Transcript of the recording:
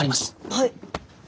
はい。